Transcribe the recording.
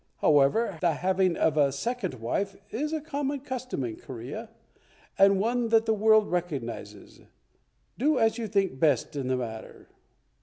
However, the having of a second wife is a common custom in Korea, and one that the world recognizes. Do as you think best in the matter."